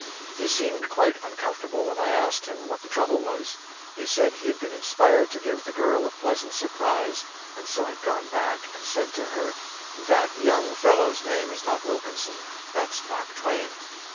He seemed quite uncomfortable, and I asked him what the trouble was. He said he had been inspired to give the girl a pleasant surprise, and so had gone back and said to her "That young fellow's name is not Wilkinson that's Mark Twain."